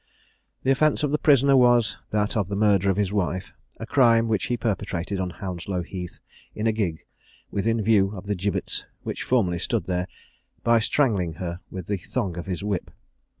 The offence of the prisoner was that of the murder of his wife, a crime which he perpetrated on Hounslow Heath, in a gig, within view of the gibbets which formerly stood there, by strangling her with the thong of his whip.